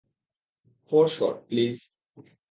Four shot, please.